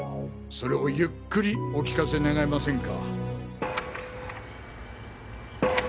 それをゆっくりお聞かせ願えませんか？